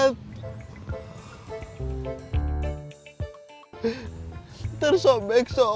terus kayak susah pencomotinin